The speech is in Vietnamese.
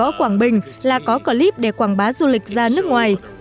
mới chỉ có quảng bình là có clip để quảng bá du lịch ra nước ngoài